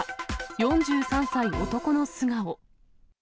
４３歳男の素顔。